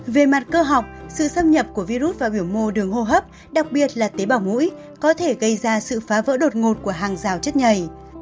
về mặt cơ học sự xâm nhập của virus và biểu mô đường hô hấp đặc biệt là tế bào mũi có thể gây ra sự phá vỡ đột ngột của hàng rào chất nhầy